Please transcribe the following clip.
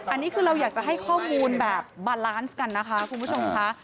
อันนี้คือเราอยากจะให้ข้อมูลแบบบาลานซ์กันนะคะคุณผู้ชมค่ะ